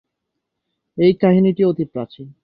এই কাহিনিটি অতি প্রাচীন।